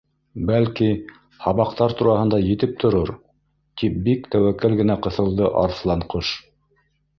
—Бәлки, һабаҡтар тураһында етеп торор, —тип бик тәүәккәл генә ҡыҫылды Арыҫланҡош.